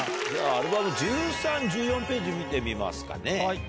アルバム１３１４ページ見てみますかね。